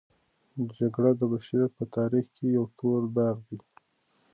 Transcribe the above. جګړه د بشریت په تاریخ کې یوه توره داغ دی.